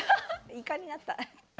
イカになった。